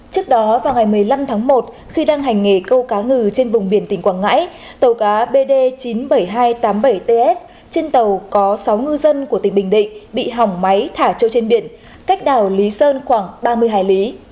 trước đó vào ngày một mươi năm tháng một khi đang hành nghề câu cá ngừ trên vùng biển tỉnh quảng ngãi tàu cá bd chín mươi bảy nghìn hai trăm tám mươi bảy ts trên tàu có sáu ngư dân của tỉnh bình định bị hỏng máy thả trôi trên biển cách đảo lý sơn khoảng ba mươi hải lý